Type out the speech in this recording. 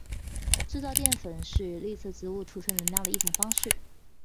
制造淀粉是绿色植物贮存能量的一种方式。